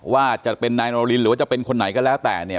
ว่าจะเป็นนายโนรินหรือว่าจะเป็นคนไหนก็แล้วแต่เนี่ย